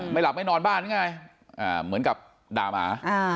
หลับไม่นอนบ้านหรือไงเหมือนกับด่าหมา